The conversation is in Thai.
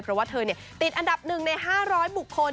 เพราะว่าเธอติดอันดับ๑ใน๕๐๐บุคคล